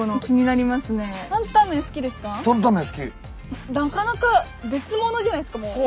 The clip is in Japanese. なかなか別物じゃないですかもう。